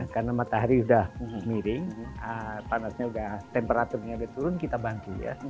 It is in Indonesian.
karena matahari sudah miring panasnya sudah temperaturnya sudah turun kita bangkit ya